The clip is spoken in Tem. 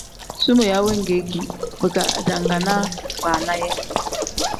Sumeeya wengeki bika idangaana baana yee.